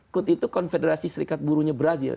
kut itu konfederasi serikat buruhnya brazil